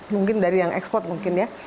mungkin dari yang ekspor mungkin ya